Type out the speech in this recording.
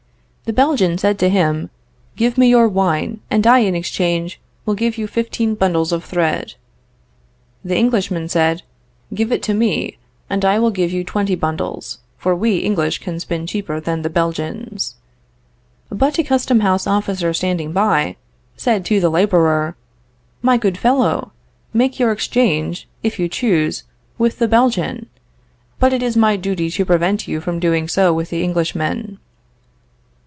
The Belgian said to him, Give me your wine, and I in exchange, will give you fifteen bundles of thread. The Englishman said, Give it to me, and I will give you twenty bundles, for we English can spin cheaper than the Belgians. But a custom house officer standing by, said to the laborer, My good fellow, make your exchange, if you choose, with the Belgian, but it is my duty to prevent your doing so with the Englishman.